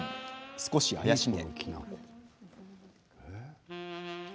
少し怪しげ。